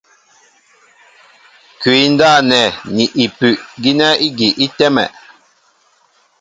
Kwǐ ndáp nɛ́ ni ipu' gínɛ́ ígi í tɛ́mɛ.